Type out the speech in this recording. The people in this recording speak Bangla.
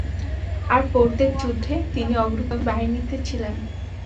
আর প্রত্যেক যুদ্ধে তিনি অগ্রগামী বাহিনীতে ছিলেন।